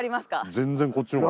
全然こっちの方が。